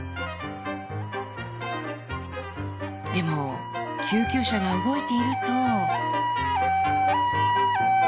でも救急車が動いていると。